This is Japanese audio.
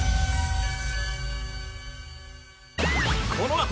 このあと